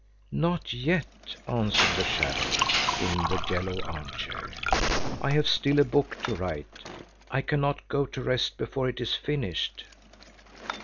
"Not yet," answered the shadow in the yellow arm chair. "I have still a book to write. I cannot go to rest before it is finished."